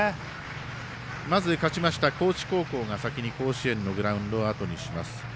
まず、勝ちました高知高校が先に甲子園のグラウンドをあとにします。